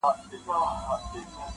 خو درد لا پاتې وي ډېر,